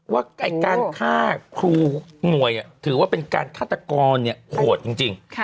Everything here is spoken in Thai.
ว่าการฆ่าครูหน่วยถือว่าเป็นการฆาตกรโหดจริง